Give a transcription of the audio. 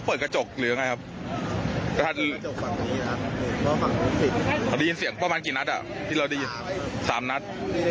เปิดกระจกหรือยังไงครับพอได้ยินเสียงประมาณกี่นัดอ่ะที่เราได้ยินสามนัด